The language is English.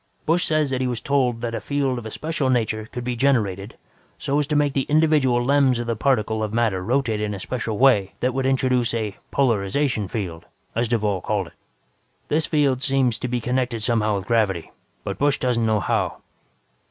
"Busch says he was told that a field of a special nature could be generated so as to make the individual lems in the particles of matter rotate in a special way that would introduce a 'polarization field', as Duvall called it. This field seems to be connected somehow with gravity, but Busch wasn't told how.